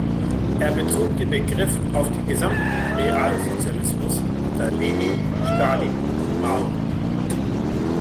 Er bezog den Begriff auf den gesamten Realsozialismus unter Lenin, Stalin und Mao.